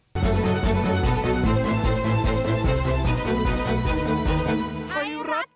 โอ้โหจุดที